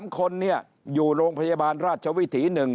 ๓คนอยู่โรงพยาบาลราชวิถี๑